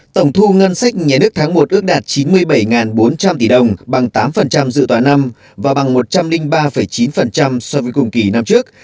tổng thu ngân sách nhà nước tháng một ước đạt chín mươi bảy bốn trăm linh tỷ đồng bằng tám dự toán năm và bằng một trăm linh ba chín so với cùng kỳ năm trước